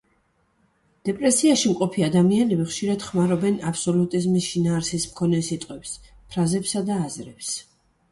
დეპრესიაში მყოფი ადამიანები ხშირად ხმარობენ აბსოლუტიზმის შინაარსის მქონე სიტყვებს, ფრაზებს და აზრებს.